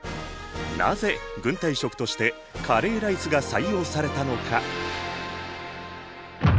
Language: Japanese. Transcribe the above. なぜ軍隊食としてカレーライスが採用されたのか？